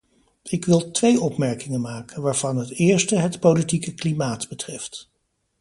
Ik wil twee opmerkingen maken, waarvan de eerste het politieke klimaat betreft.